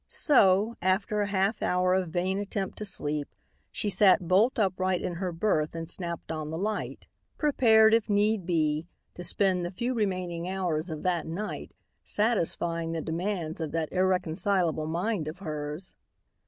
So, after a half hour of vain attempt to sleep, she sat bolt upright in her berth and snapped on the light, prepared if need be to spend the few remaining hours of that night satisfying the demands of that irreconcilable mind of hers.